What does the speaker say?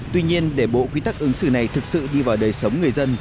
tuy nhiên để bộ quy tắc ứng xử này thực sự đi vào đời sống người dân